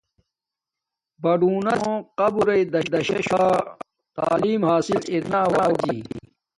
بوڈوناس موں قبرݵ داراشو خا تعلیم حاصل ارنا آوجی